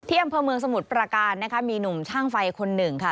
อำเภอเมืองสมุทรประการนะคะมีหนุ่มช่างไฟคนหนึ่งค่ะ